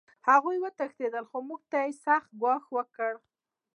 هغوی وتښتېدل خو موږ ته یې سخت ګواښ وکړ